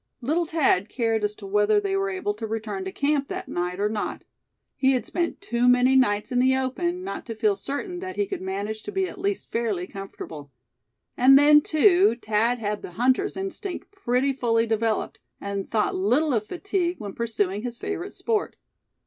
Little Thad cared as to whether they were able to return to camp that night or not. He had spent too many nights in the open, not to feel certain that he could manage to be at least fairly comfortable. And then, too, Thad had the hunter's instinct pretty fully developed, and thought little of fatigue when pursuing his favorite sport.